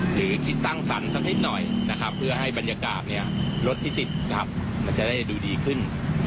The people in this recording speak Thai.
หรือคิดสร้างสรรค์สักนิดหน่อยนะครับเพื่อให้บรรยากาศเนี่ยรถที่ติดนะครับมันจะได้ดูดีขึ้น